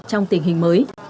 trong tình hình mới